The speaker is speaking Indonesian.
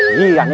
ini beneran nih